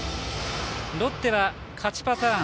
ロッテは勝ちパターン